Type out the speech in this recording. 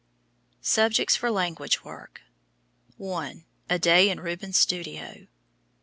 SUBJECTS FOR LANGUAGE WORK. 1. A Day in Rubens' Studio.